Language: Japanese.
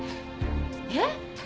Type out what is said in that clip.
えっ？